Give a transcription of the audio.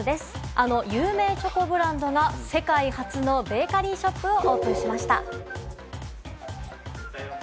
あの有名チョコブランドが世界初のベーカリーショップをオープンしました。